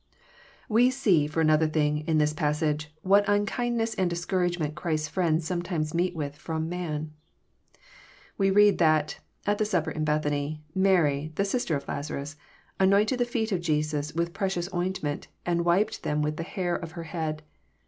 We see, for another thing, in this passage, what unkind^ ness and discouragement Chrisfs friends sometimes meet with from man. We read that, at the supper in Bethany, Mary, the sister of Lazarus, anointed the feet of Jesus with pre cious ointment, and wiped them with the hair of her head.